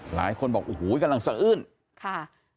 หลายคนบอกโอ้โหกำลังสะอื้นค่ะ